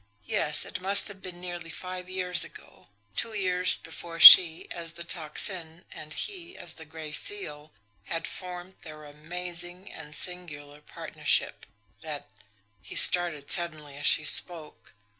Yes, it must have been nearly five years ago; two years before she, as the Tocsin, and he, as the Gray Seal, had formed their amazing and singular partnership, that he started suddenly, as she spoke.